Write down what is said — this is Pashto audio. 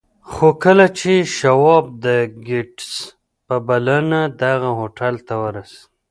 خو کله چې شواب د ګيټس په بلنه دغه هوټل ته ورسېد.